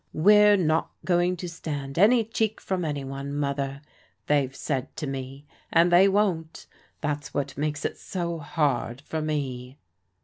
'We're not going to stand any cheek from any one, Mother,' they've said to me, and they won't. That's what makes it so hard for me."